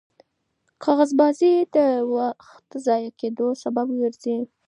کاغذبازي د وخت د ضایع کېدو سبب ګرځي.